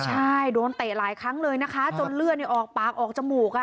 ใช่โดนเตะหลายครั้งเลยนะคะจนเลือดออกปากออกจมูก